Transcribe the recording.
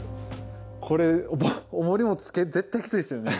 これおもりもつけ絶対キツイですよね。